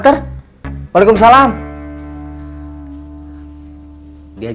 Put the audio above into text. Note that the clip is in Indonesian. carburatori yang lagi inik